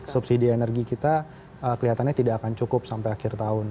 subsidi energi kita kelihatannya tidak akan cukup sampai akhir tahun